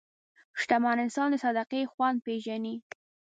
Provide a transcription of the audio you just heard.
شتمن انسان د صدقې خوند پېژني.